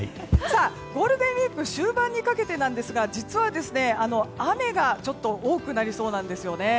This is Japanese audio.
ゴールデンウィーク終盤にかけてなんですが実はですね、雨がちょっと多くなりそうなんですよね。